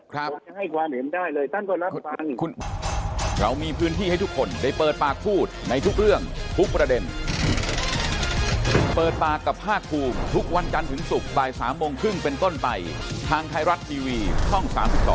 ควรจะให้ความเห็นได้เลยท่านก็รับฟัง